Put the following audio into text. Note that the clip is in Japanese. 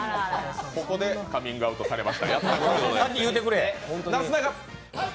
ここでカミングアウトされました、やったことない。